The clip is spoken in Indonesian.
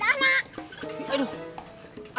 tidak tidak didak usahedih angin